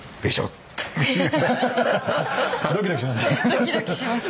ドキドキします。